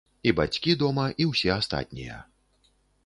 І бацькі дома, і ўсе астатнія.